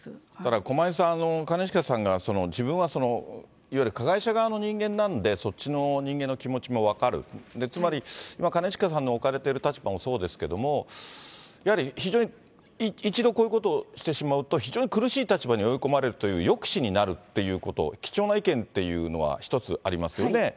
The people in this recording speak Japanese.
駒井さん、兼近さんが自分はいわゆる加害者側の人間なんで、そっちの人間の気持ちも分かる、つまり兼近さんの置かれている立場もそうですけども、やはり非常に、一度こういうことをしてしまうと非常に苦しい立場に追い込まれるという、抑止になるっていうこと、貴重な意見っていうのは、一つありますよね。